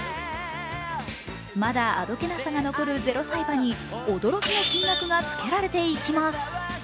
まだ、あどけなさが残る０歳馬に驚きの金額がつけられていきます。